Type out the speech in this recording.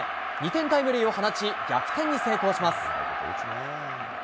２点タイムリーを放ち、逆転に成功します。